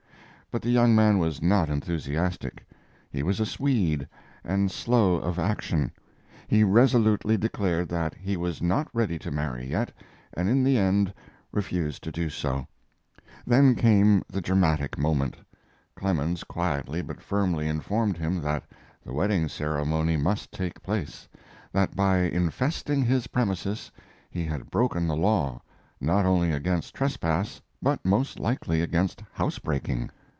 But the young man was not enthusiastic. He was a Swede and slow of action. He resolutely declared that he was not ready to marry yet, and in the end refused to do so. Then came the dramatic moment. Clemens quietly but firmly informed him that the wedding ceremony must take place; that by infesting his premises he had broken the law, not only against trespass, but most likely against house breaking.